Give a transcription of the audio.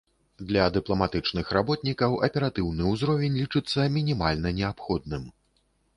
Для дыпламатычных работнікаў аператыўны ўзровень лічыцца мінімальна неабходным.